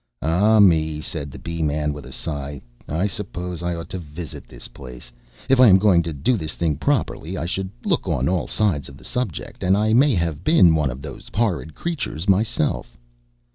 "Ah me!" said the Bee man with a sigh, "I suppose I ought to visit this place. If I am going to do this thing properly, I should look on all sides of the subject, and I may have been one of those horrid creatures myself."